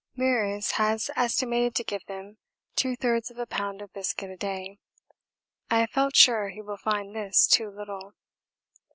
Meares has estimated to give them two thirds of a pound of biscuit a day. I have felt sure he will find this too little.